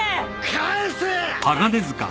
返せ！